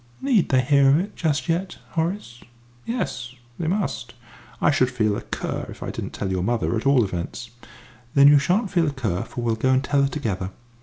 "Need they hear of it just yet, Horace?" "Yes, they must. I should feel a cur if I didn't tell your mother, at all events." "Then you shan't feel a cur, for we'll go and tell her together."